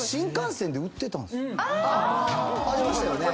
ありましたよね。